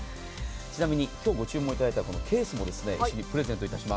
ちなみに今日ご注文いただいたら、このケースもプレゼントいたします。